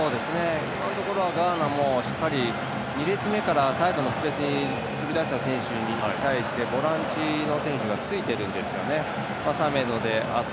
今のところはガーナもしっかり２列目からサイドのスペースに飛び出した選手に対してボランチの選手がついているんですよね。